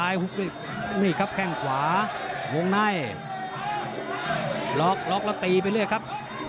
ยกอาตีไปเรื่อยครับ